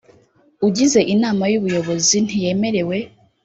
ugize inama y ubuyobozi ntiyemerewe